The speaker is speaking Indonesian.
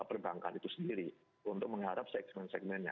perbankan itu sendiri untuk mengharap segmen segmennya